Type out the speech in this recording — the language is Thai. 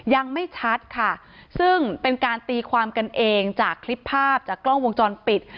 ยังไม่ชัดค่ะซึ่งเป็นการตีความกันเองจากคลิปภาพจากกล้องวงจรปิด